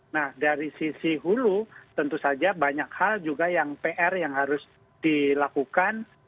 nah dari sisi hulu tentu saja banyak hal juga yang pr yang harus dilakukan